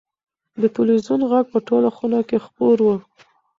د تلویزون غږ په ټوله خونه کې خپور و.